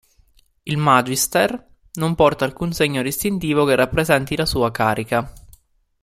Il Magister non porta alcun segno distintivo che rappresenti la sua carica.